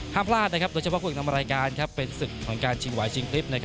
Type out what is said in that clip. พลาดโดยเฉพาะคู่เอกนำรายการเป็นศึกของการชิงไหวชิงคลิป